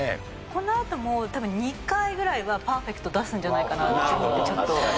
このあとも多分２回ぐらいはパーフェクト出すんじゃないかなと。